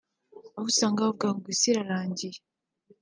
aho usanga bavuga ngo isi irarangiye